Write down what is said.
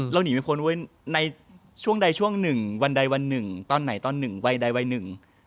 หนีไม่พ้นไว้ในช่วงใดช่วงหนึ่งวันใดวันหนึ่งตอนไหนตอนหนึ่งวัยใดวัยหนึ่ง